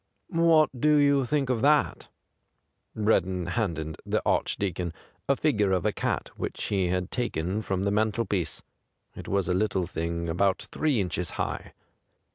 ' What do you think of that ?' Breddon handed the Archdeacon a figure of a cat which he had taken from the mantelpiece. It was a little thing about three inches high.